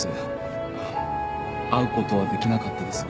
会う事はできなかったですが。